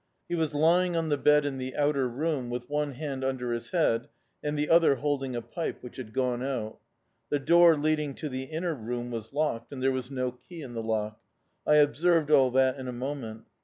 "He was lying on the bed in the outer room, with one hand under his head and the other holding a pipe which had gone out. The door leading to the inner room was locked, and there was no key in the lock. I observed all that in a moment...